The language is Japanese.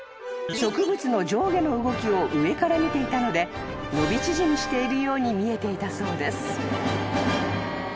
［植物の上下の動きを上から見ていたので伸び縮みしているように見えていたそうです］